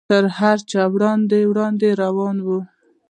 تر هر چا به وړاندې وړاندې روان و.